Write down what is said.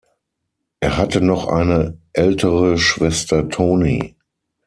Er hatte noch eine ältere Schwester Toni.